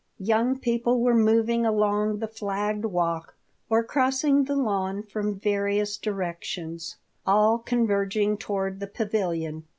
Young people were moving along the flagged walk or crossing the lawn from various directions, all converging toward the pavilion.